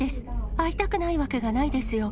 会いたくないわけがないですよ。